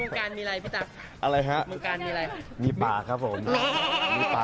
เมืองกามีอะไรพี่ตักอะไรฮะเมืองกามีอะไรมีป่าครับผมฮ่าฮ่าฮ่า